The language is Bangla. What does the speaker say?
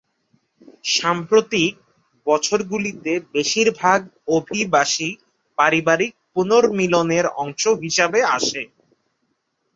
সাম্প্রতিক বছরগুলিতে বেশিরভাগ অভিবাসী পারিবারিক পুনর্মিলনের অংশ হিসাবে আসে।